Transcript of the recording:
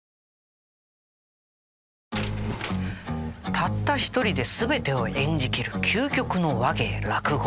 たった一人で全てを演じきる究極の話芸落語。